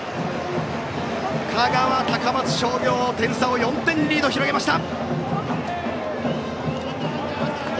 香川・高松商業点差を４点に広げました。